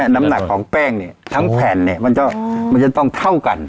น้ำหนักของแป้งเนี่ยทั้งแผ่นเนี่ยมันจะต้องเท่ากัน